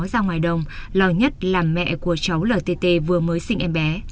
ra ngoài đồng lo nhất là mẹ của cháu lt vừa mới sinh em bé